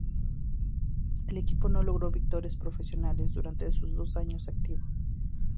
El equipo no logró victorias profesionales durante sus dos años activo.